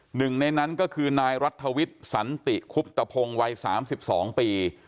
หนึ่งในนั้นก็คือนายรัฐวิทย์สันติคุบตะพงศ์วัย๓๒ปี